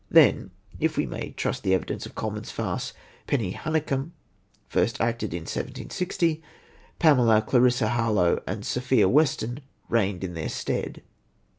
Then, if we may trust the evidence of Colman's farce, Polly Honeycombe, first acted in 1760, Pamela, Clarissa Harlowe and Sophia Western reigned in their stead.